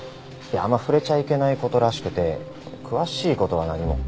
あんま触れちゃいけない事らしくて詳しい事は何も。